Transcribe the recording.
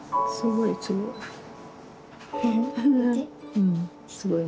うんすごいね。